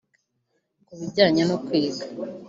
Ku bijyanye no kwiga